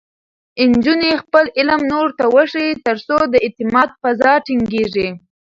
نجونې خپل علم نورو ته وښيي، ترڅو د اعتماد فضا ټینګېږي.